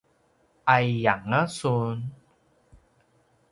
’ay’ianga sun?